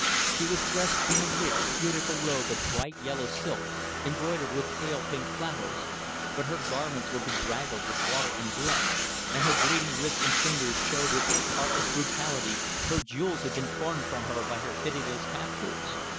She was dressed in a rich, beautiful robe of bright yellow silk, embroidered with pale pink flowers, but her garments were bedraggled with water and blood, and her bleeding wrists and fingers showed with what heartless brutality her jewels had been torn from her by her pitiless captors.